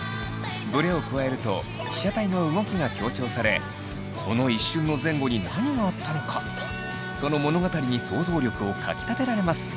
ブレを加えると被写体の動きが強調されこの一瞬の前後に何があったのかその物語に想像力をかきたてられます。